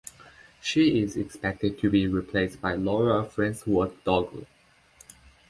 She is expected to be replaced by Laura Farnsworth Dogu.